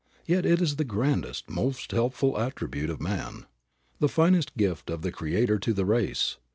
Yet it is the grandest, most helpful attribute of man, the finest gift of the Creator to the race.